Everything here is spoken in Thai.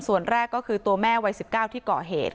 ส่วนแรกก็คือตัวแม่วัย๑๙ที่ก่อเหตุ